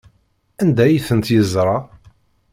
Anda ay tent-yeẓra?